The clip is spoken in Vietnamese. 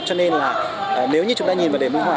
cho nên là nếu như chúng ta nhìn vào đề mưu hỏa